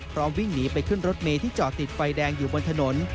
วิ่งหนีไปขึ้นรถเมย์ที่จอดติดไฟแดงอยู่บนถนน